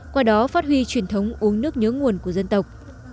qua đó phát huy truyền thống uống nước nhớ nguồn của dân tộc